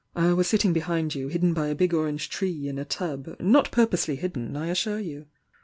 "I was sitting behind you, hidden by a big orange tree in a tub, not purposely hidden, I assure you!